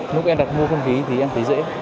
lúc em đặt mua phân phí thì em thấy dễ